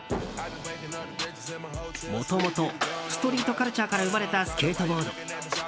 もともとストリートカルチャーから生まれたスケートボード。